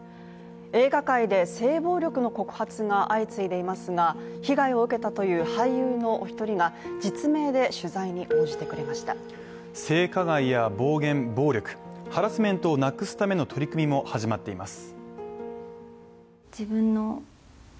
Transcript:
映画界で性暴力の告発が相次いでいますが、被害を受けたという俳優のお一人が実名で取材に応じてくれました性加害や暴言暴力、ハラスメントをなくすための取り組みも始まっています。